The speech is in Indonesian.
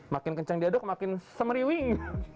makin kenceng diaduk makin semriwing